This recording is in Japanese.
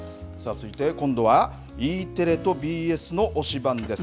今度は、ＥテレとＢＳの推しバン！です。